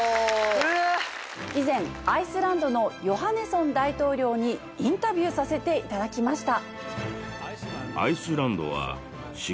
以前アイスランドのヨハネソン大統領にインタビューさせていただきました。